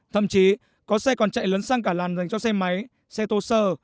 thậm chí có xe còn chạy lấn sang cả làn dành cho xe máy xe tô sơ